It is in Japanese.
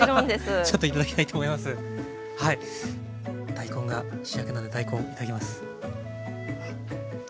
大根が主役なので大根いただきます。